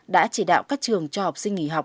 đã chỉ đạo các trường cho học sinh nghỉ học